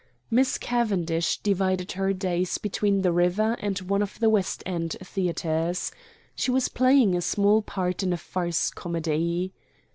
Miss Cavendish divided her days between the river and one of the West End theatres. She was playing a small part in a farce comedy.